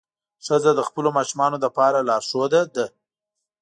ښځه د خپلو ماشومانو لپاره لارښوده ده.